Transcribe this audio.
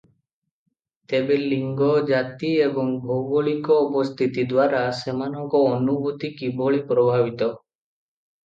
ତେବେ ଲିଙ୍ଗ, ଜାତି ଏବଂ ଭୌଗୋଳିକ ଅବସ୍ଥିତିଦ୍ୱାରା ସେମାନଙ୍କ ଅନୁଭୂତି କିଭଳି ପ୍ରଭାବିତ?